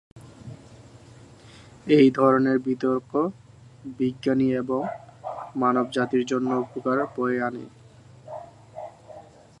এই ধরনের বিতর্ক বিজ্ঞানী এবং মানবজাতির জন্য উপকার বয়ে আনে।